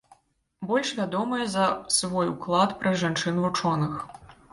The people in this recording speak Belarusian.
Больш вядомая за свой уклад пра жанчын-вучоных.